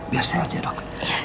biar saya aja dok